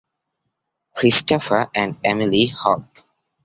Christopher and Emily hug.